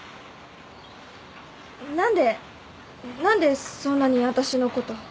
何で何でそんなにわたしのこと。